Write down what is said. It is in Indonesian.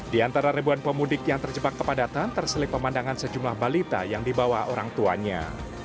di antara ribuan pemudik yang terjebak kepadatan terselip pemandangan sejumlah balita yang dibawa orang tuanya